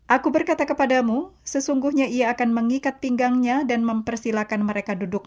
aku berkata kepadamu sesungguhnya ia akan mengikat pinggangnya dan mempersilahkan mereka duduk makan